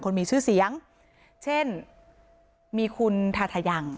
คนมีชื่อเสียงเช่นมีคุณทาทะยัง